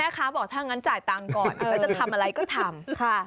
เขาบอกถ้างั้นจ่ายตังค์ก่อนแล้วจะทำอะไรก็ทำ